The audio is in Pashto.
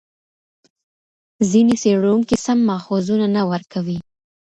ځیني څېړونکي سم ماخذونه نه ورکوي.